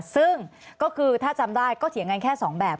ซึ่งก็คือถ้าจำได้ก็เถียงกันแค่๒แบบ